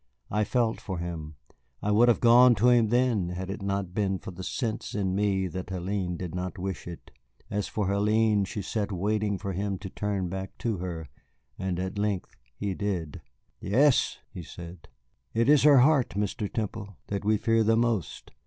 I felt for him, I would have gone to him then had it not been for the sense in me that Hélène did not wish it. As for Hélène, she sat waiting for him to turn back to her, and at length he did. "Yes?" he said. "It is her heart, Mr. Temple, that we fear the most.